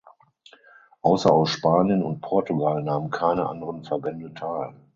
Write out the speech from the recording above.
Außer aus Spanien und Portugal nahmen keine anderen Verbände teil.